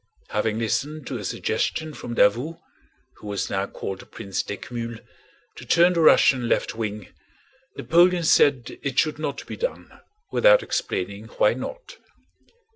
Having listened to a suggestion from Davout, who was now called Prince d'Eckmühl, to turn the Russian left wing, Napoleon said it should not be done, without explaining why not.